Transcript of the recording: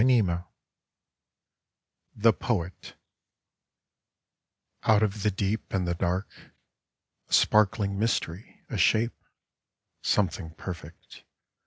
62 ^ THE POET Out of the deep and the dark, A sparkling mystery, a shape. Something perfect.